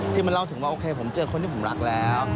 มันเล่าถึงว่าโอเคผมเจอคนที่ผมรักแล้ว